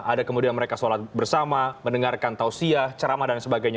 ada kemudian mereka sholat bersama mendengarkan tausiyah ceramah dan sebagainya